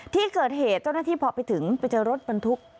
ที่เกิดเหตุเจ้าหน้าที่พอไปถึงไปเจอรถบรรทุก